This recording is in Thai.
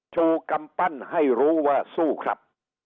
ชูกำปั้นให้รู้ว่าสู้ครับ